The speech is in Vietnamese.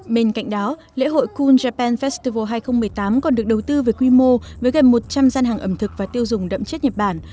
bên cạnh đó lễ hội cool japan festival hai nghìn một mươi tám còn được đầu tư về quy mô với gần một trăm linh gian hàng ẩm thực và tiêu dùng đậm chất nhật bản